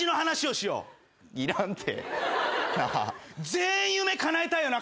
全員夢かなえたいよな？